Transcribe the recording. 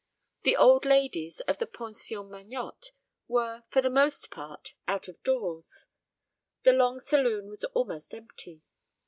The old ladies of the Pension Magnotte were for the most part out of doors. The long saloon was almost empty.